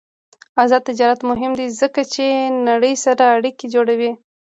آزاد تجارت مهم دی ځکه چې نړۍ سره اړیکې جوړوي.